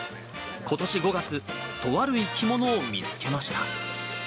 ことし５月、とある生き物を見つけました。